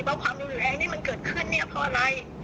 ว่าความรู้แรงนี้มันเกิดขึ้นเพราะอะไร